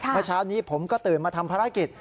เมื่อเช้านี้ผมก็ตื่นมาทำภารกิจ